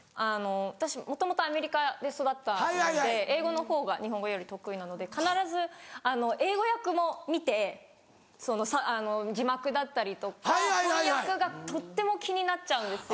私もともとアメリカで育ったので英語のほうが日本語より得意なので必ず英語訳も見て字幕だったりとか翻訳がとっても気になっちゃうんですよ。